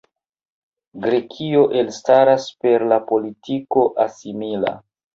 Grekio elstaras per la politiko asimila.